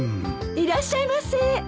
いらっしゃいませ。